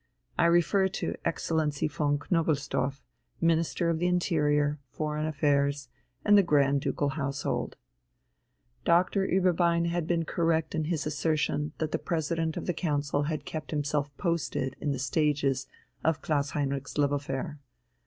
I refer to Excellency von Knobelsdorff, Minister of the Interior, Foreign Affairs, and the Grand Ducal Household. Dr. Ueberbein had been correct in his assertion that the President of the Council had kept himself posted in the stages of Klaus Heinrich's love affair.